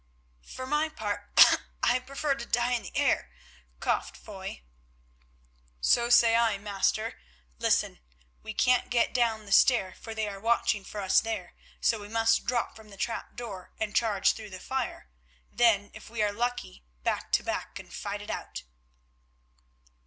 "For my part, I prefer to die in the air," coughed Foy. "So say I, master. Listen. We can't get down the stair, for they are watching for us there, so we must drop from the trap door and charge through the fire. Then, if we are lucky, back to back and fight it out."